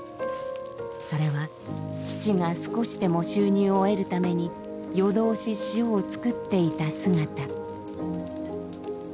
それは父が少しでも収入を得るために夜通し塩を作っていた姿。